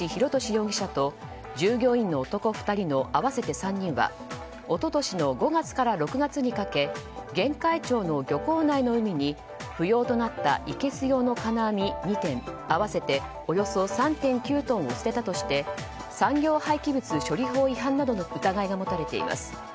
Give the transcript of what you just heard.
容疑者と従業員の男２人の合わせて３人は一昨年の５月から６月にかけ玄海町の漁港内の海に不要となったいけす用の金網２点合わせておよそ３．９トンを捨てたとして産業廃棄物処理法違反などの疑いが持たれています。